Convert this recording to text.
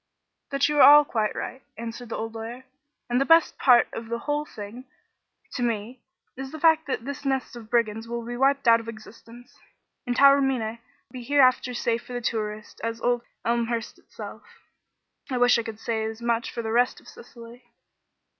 "That you are all quite right," answered the old lawyer. "And the best part of the whole thing, to me, is the fact that this nest of brigands will be wiped out of existence, and Taormina be hereafter as safe for tourists as old Elmhurst itself. I wish I could say as much for the rest of Sicily."